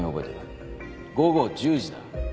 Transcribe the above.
午後１０時だ。なあ？